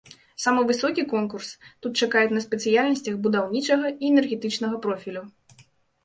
Самы высокі конкурс тут чакаюць на спецыяльнасцях будаўнічага і энергетычнага профілю.